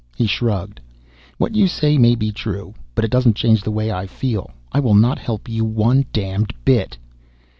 He shrugged. "What you say may be true. But it doesn't change the way I feel. I will not help you one damned bit."